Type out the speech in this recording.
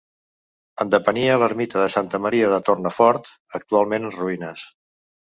En depenia l'ermita de Santa Maria de Tornafort, actualment en ruïnes.